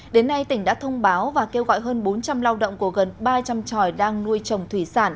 đến nay tỉnh đã thông báo và kêu gọi hơn bốn trăm linh lao động của gần ba trăm linh tròi đang nuôi trồng thủy sản